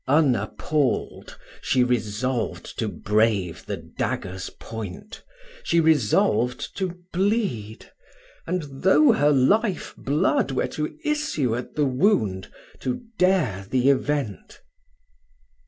Unappalled, she resolved to brave the dagger's point: she resolved to bleed; and though her life blood were to issue at the wound, to dare the event.